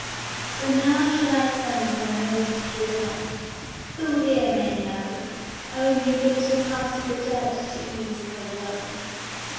So now shall I send her north to wed, Who here may know Only the little house of the dead To ease her woe?